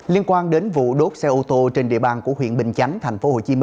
liên quan đến vụ đốt xe ô tô trên địa bàn của huyện bình chánh tp hcm